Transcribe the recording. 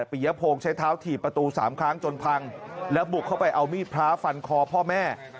ปียพงศ์ใช้เท้าถีบประตู๓ครั้งจนพังแล้วบุกเข้าไปเอามีดพระฟันคอพ่อแม่